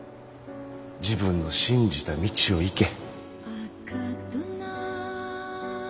自分の信じた道を行け。